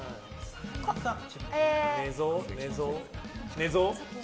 寝相？